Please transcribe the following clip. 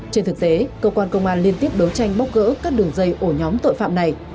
trên thực tế cơ quan công an liên tiếp đấu tranh bóc gỡ các đường dây ổ nhóm tội phạm này